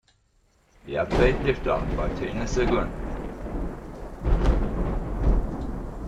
The upbeat "Lift Off" by Tina Sugandh.